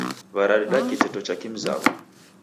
W'aradeda kiteto cha kimzaw'o.